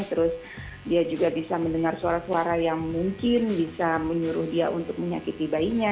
terus dia juga bisa mendengar suara suara yang mungkin bisa menyuruh dia untuk menyakiti bayinya